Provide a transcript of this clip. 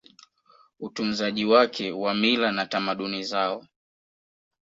utunzaji wake wa mila na tamaduni zao